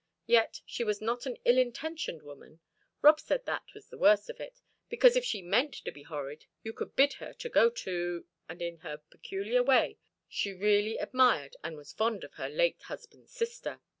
Yet she was not an ill intentioned woman Rob said that was the worst of it, "because if she meant to be horrid you could bid her to go to" and in her peculiar way she really admired and was fond of her late husband's sister.